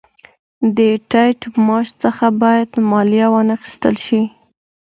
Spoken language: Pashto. د ټیټ معاش څخه باید مالیه وانخیستل شي